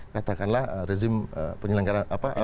katakanlah rezim penyelenggaraan